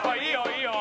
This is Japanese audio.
いいよ！